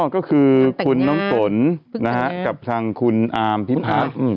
อ๋อก็คือคุณน้องฝนนะฮะกับทางคุณอาร์มพิพัฒน์